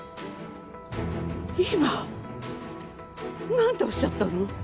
今何ておっしゃったの？